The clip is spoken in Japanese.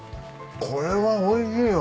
これはおいしいわ。